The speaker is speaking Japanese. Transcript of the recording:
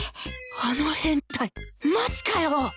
あの変態マジかよ！